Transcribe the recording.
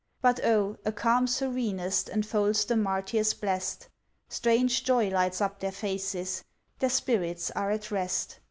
But oh! a calm serenest Enfolds the Martyrs blest, Strange joy lights up their faces, Their spirits are at rest.